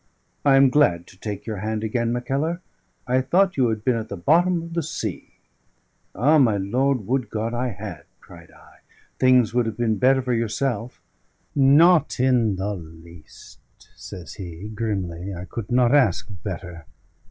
I am glad to take your hand again, Mackellar. I thought you had been at the bottom of the sea." "Ah! my lord, would God I had!" cried I. "Things would have been better for yourself." "Not in the least," says he grimly. "I could not ask better.